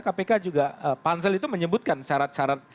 kpk juga pansel itu menyebutkan syarat syarat